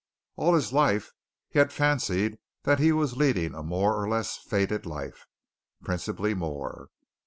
All his life he had fancied that he was leading a more or less fated life, principally more.